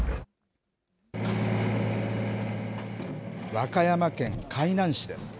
和歌山県海南市です。